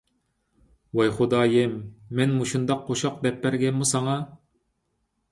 ۋاي خۇدايىم، مەن مۇشۇنداق قوشاق دەپ بەرگەنما ساڭا؟